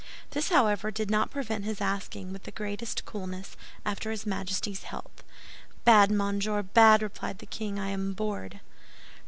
This, however, did not prevent his asking, with the greatest coolness, after his Majesty's health. "Bad, monsieur, bad!" replied the king; "I am bored."